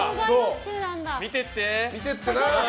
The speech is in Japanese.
見てってな！